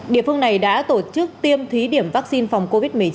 địa phương này đã tổ chức tiêm thí điểm vaccine phòng covid một mươi chín